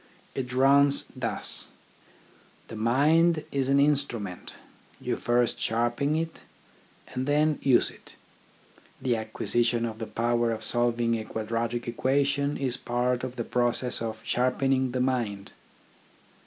It runs thus : The mind is an instrument, you first sharpen it, and then use it; the acquisition of the power of solving a quadratic equation is part of the process of sharpening the mind.